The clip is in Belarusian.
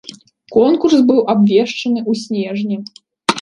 Конкурс быў абвешчаны ў снежні.